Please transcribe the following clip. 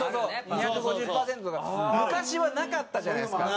昔はなかったじゃないですか。